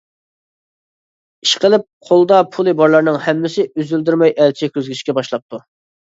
ئىشقىلىپ قولىدا پۇلى بارلارنىڭ ھەممىسى ئۈزۈلدۈرمەي ئەلچى كىرگۈزۈشكە باشلاپتۇ.